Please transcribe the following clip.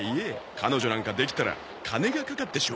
彼女なんかできたら金がかかってしょうがねえ。